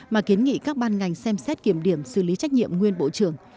mà kiến nghị các ban ngành xem xét kiểm điểm xử lý trách nhiệm nguyên bộ trưởng